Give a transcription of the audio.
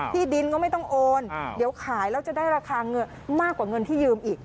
ที่ดินก็ไม่ต้องโอนเดี๋ยวขายแล้วจะได้ราคาเงินมากกว่าเงินที่ยืมอีก